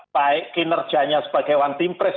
baik kinerjanya sebagai one team press